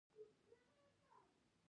افغانستان کې د خاوره په اړه زده کړه کېږي.